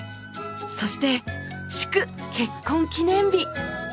そして祝結婚記念日！